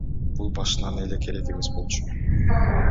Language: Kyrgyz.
Бул башынан эле керек эмес болчу.